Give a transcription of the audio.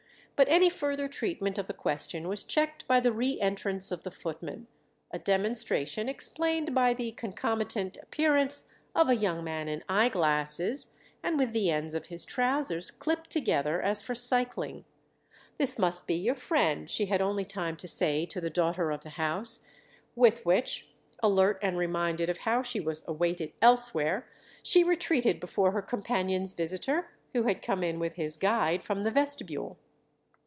But any further treatment of the question was checked by the re entrance of the footman—a demonstration explained by the concomitant appearance of a young man in eyeglasses and with the ends of his trousers clipped together as for cycling. "This must be your friend," she had only time to say to the daughter of the house; with which, alert and reminded of how she was awaited elsewhere, she retreated before her companion's visitor, who had come in with his guide from the vestibule.